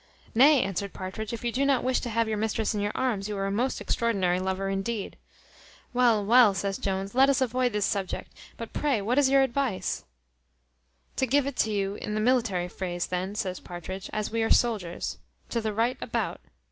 "Nay," answered Partridge, "if you do not wish to have your mistress in your arms you are a most extraordinary lover indeed." "Well, well," says Jones, "let us avoid this subject; but pray what is your advice?" "To give it you in the military phrase, then," says Partridge, "as we are soldiers, `To the right about.'